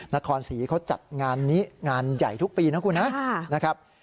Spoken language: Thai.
นครสีเขาจัดงานนี้งานใหญ่ทุกปีนะครับ